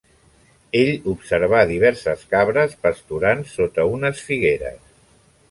Ell observà diverses cabres pasturant sota unes figueres.